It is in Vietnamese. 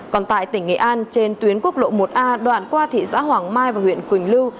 còn tại tỉnh nghệ an trên tuyến quốc lộ một a đoạn qua thị xã hoàng mai và huyện quỳnh lưu